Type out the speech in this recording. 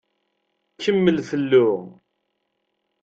Kemmel fellu.